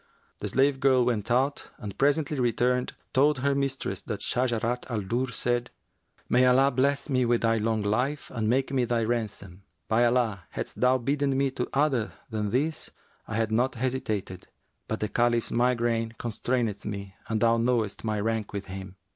The slave girl went out and presently returning, told her mistress that Shajarat al Durr said, 'May Allah bless me with thy long life and make me thy ransom! By Allah, hadst thou bidden me to other than this, I had not hesitated; but the Caliph's migraine constraineth me and thou knowest my rank with him.'